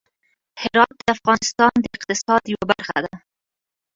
هرات د افغانستان د اقتصاد یوه برخه ده.